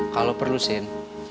kalo perlu sin